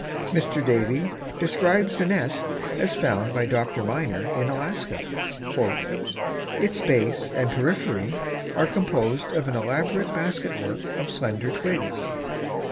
Mr. Davie describes the nest as found by Dr. Minor in Alaska: "Its base and periphery are composed of an elaborate basket work of slender twigs.